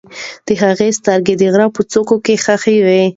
د هغې سترګې د غره په څوکه کې خښې وې.